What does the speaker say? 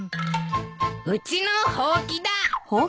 うちのほうきだ。